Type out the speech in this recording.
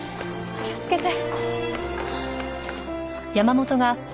お気をつけて。